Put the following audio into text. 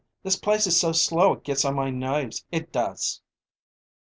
"This place is so slow it gets on my nerves it does!"